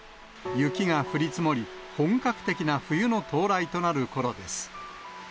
雪が降り積もり、本格的な冬の到来となるころです。